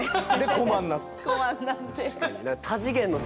駒になって。